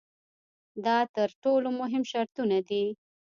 دا تر ټولو مهم شرطونه دي.